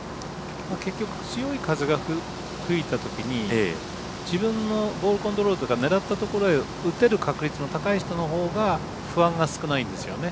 結局強い風が吹いた時に自分のボールコントロールというか狙ったところへ打てる確率の高い人のほうが不安が少ないんですよね。